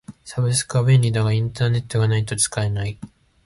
サブスクは便利だがインターネットがないと使えない。